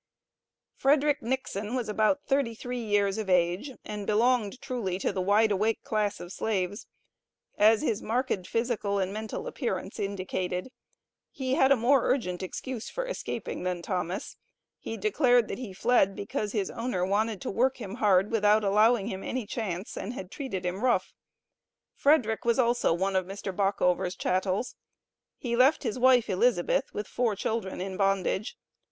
FREDERICK NIXON was about thirty three years of age, and belonged truly to the wide awake class of slaves, as his marked physical and mental appearance indicated. He had a more urgent excuse for escaping than Thomas; he declared that he fled because, his owner wanted "to work him hard without allowing him any chance, and had treated him rough." Frederick was also one of Mr. Bockover's chattels; he left his wife, Elizabeth, with four children in bondage.